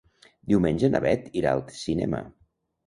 Diumenge na Beth irà al cinema.